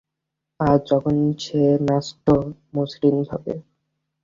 আর যখন সে নাচত, মসৃণভাবে।